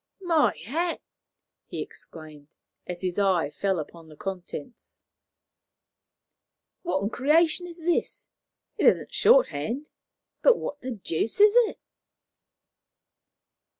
"My hat!" he exclaimed, as his eye fell upon the contents. "What in creation is this? It isn't shorthand, but what the deuce is it?"